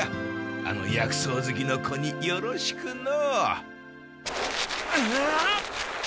あの薬草ずきの子によろしくの。